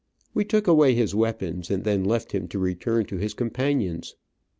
We took away his weapons, and then left him to return to his companions.